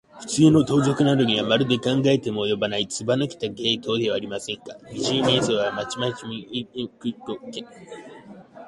ふつうの盗賊などには、まるで考えもおよばない、ずばぬけた芸当ではありませんか。二十面相はまんいちのばあいのために、この黒い軽気球を用意しておいたのです。